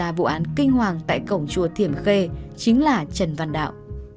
và hung thủ gây ra vụ án kinh hoàng tại cổng chùa thiểm khê chính là trần văn đạo